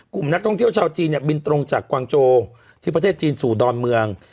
กลุ่มนักท่องเที่ยวชาวจีนเนี่ยบินตรงจากกวางโจที่ประเทศจีนสู่ดอนเมือง